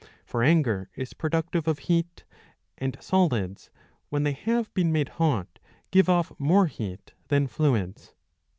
For anger is productive of heat ; and solids when they have been made hot give off more heat than fluids.